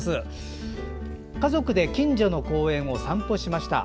家族で近所の公園を散歩しました。